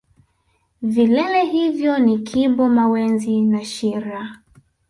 vilele hivyo ni kibo mawenzi na shira